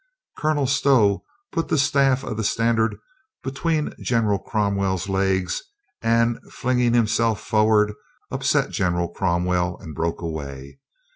Colonel Stow put the staff of the standard between General Cromwell's legs and flinging himself forward, upset General Cromwell and broke away.